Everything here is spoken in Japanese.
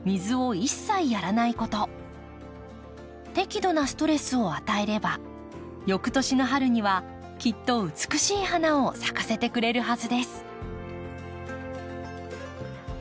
しっかり適度なストレスを与えれば翌年の春にはきっと美しい花を咲かせてくれるはずです。